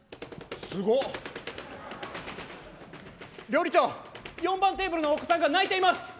料理長４番テーブルのお子さんが泣いています！